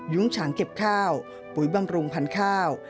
ฉางเก็บข้าวปุ๋ยบำรุงพันธุ์ข้าว